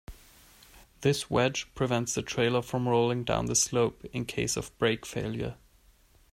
This wedge prevents the trailer from rolling down the slope in case of brake failure.